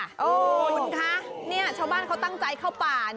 คุณคะชาวบ้านเขาตั้งใจเข้าป่า